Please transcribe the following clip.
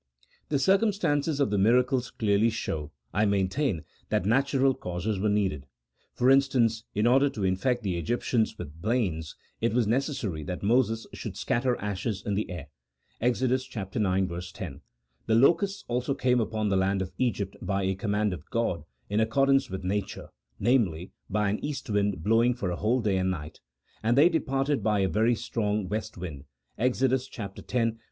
The circumstances of the miracles clearly show, I main tain, that natural causes were needed. For instance, in order to infect the Egyptians with blains, it was necessary CHAP. VI.] OF MIRACLES. 9f that Moses should scatter ashes in the air (Exod. ix. 10) ; the locusts also came upon the land of Egypt by a com mand of God in accordance with nature, namely, by an east wind blowing for a whole day and night ; and they departed by a very strong west wind (Exod. x. 14, 19).